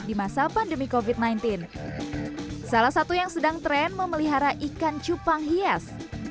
di masa pandemi kofit sembilan belas salah satu yang sedang tren memelihara ikan cupang hias